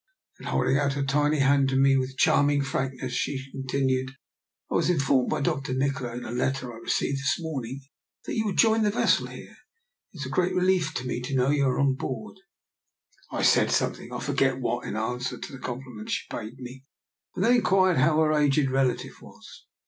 Then, hold ing out her tiny hand to me with charming frankness, she continued: *' I was informed by Dr. Nikola, in a letter I received this morn ing, that you would join the vessel here. It is a great relief to me to know you are on board." I said something, I forget what, in answer to the compliment she paid me, and then in quired how her aged relative was.